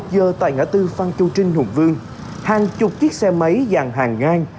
một mươi một giờ tại ngã tư phan châu trinh hùng vương hàng chục chiếc xe máy dàn hàng ngang